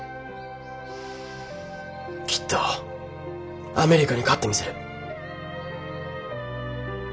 きっとアメリカに勝ってみせる。